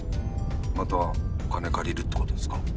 また金借りるってことですか？